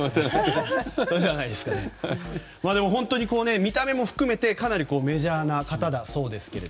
でも、本当に見た目も含めてメジャーな方だそうですけど。